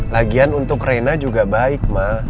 lagian untuk reina juga baik mbak